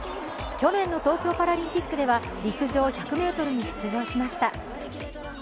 去年の東京パラリンピックでは陸上１００ｍに出場しました。